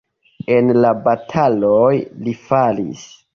En la bataloj li falis.